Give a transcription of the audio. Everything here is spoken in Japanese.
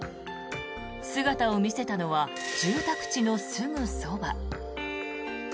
姿を見せたのは住宅地のすぐそば。